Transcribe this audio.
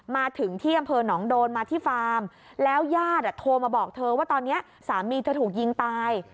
มาถึงที่อำเภอหนองโดนมาที่ฟาร์มแล้วญาติโทรมาบอกเธอว่าตอนนี้สามีเธอถูกยิงตาย